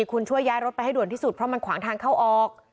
คุณช่วยย้ายรถไปให้ด่วนที่สุดเพราะมันขวางทางเข้าออก